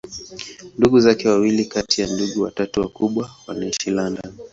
Ndugu zake wawili kati ya ndugu watatu wakubwa wanaishi London.